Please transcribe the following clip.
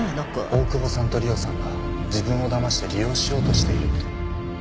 大久保さんと里緒さんが自分をだまして利用しようとしているって